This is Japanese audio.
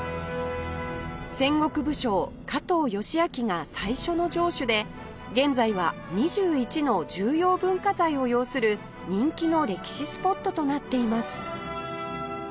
戦国武将加藤嘉明が最初の城主で現在は２１の重要文化財を擁する人気の歴史スポットとなっています